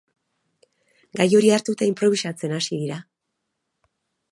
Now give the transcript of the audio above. Gai hori hartuta inprobisatzen hasi dira.